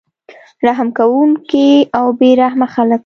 رحم کوونکي او بې رحمه خلک